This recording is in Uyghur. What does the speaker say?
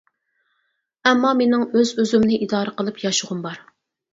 ئەما مېنىڭ ئۆز-ئۆزۈمنى ئىدارە قىلىپ ياشىغۇم بار.